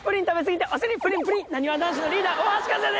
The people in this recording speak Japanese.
なにわ男子のリーダー大橋和也です！